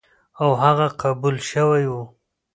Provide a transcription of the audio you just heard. او هغه قبول شوی و،